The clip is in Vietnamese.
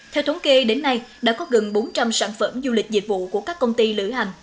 theo thống kê đến nay đã có gần bốn trăm linh sản phẩm du lịch dịch vụ của các công ty lửa hành